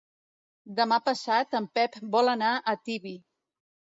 Demà passat en Pep vol anar a Tibi.